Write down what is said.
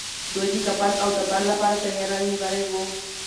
دوی د کفن او دفن لپاره تياری نيولی و.